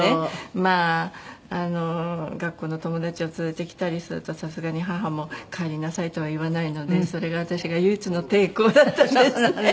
まあ学校の友達を連れてきたりするとさすがに母も帰りなさいとは言わないのでそれが私の唯一の抵抗だったんですね。